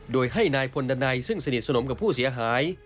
โดยให้นายพลดันัยซึ่งสนิทสนมกับผู้เสียหาย